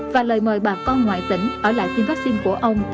và lời mời bà con ngoại tỉnh ở lại tiêm vaccine của ông